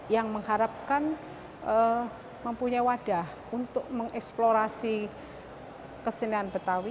yang mengharapkan mempunyai wadah untuk mengeksplorasi kesenian betawi